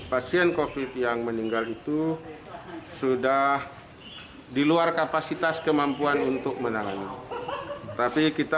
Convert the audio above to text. pasien covid yang meninggal itu sudah diluar kapasitas kemampuan untuk menangani tapi kita